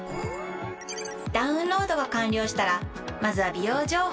ダウンロードが完了したらまずは「美容情報」をチェック！